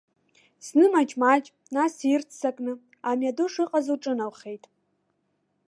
Зны маҷмаҷ, нас ирццакны, амҩаду шыҟаз лҿыналхеит.